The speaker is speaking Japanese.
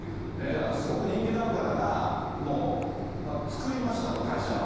じゃあすごく人気のある方が、もう作りましたと、会社を。